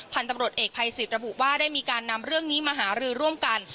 พันธุ์ตำรวจเอกภัยสิทธิ์ระบุว่าได้มีการนำเรื่องนี้มาหารือร่วมกัน